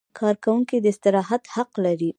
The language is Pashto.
کارکوونکی د استراحت حق لري.